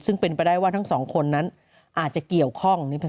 ซึ่งเป็นไปได้ว่าทั้งสองคนนั้นอาจจะเกี่ยวข้อง